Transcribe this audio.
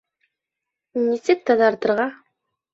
Нисек таҙартырға?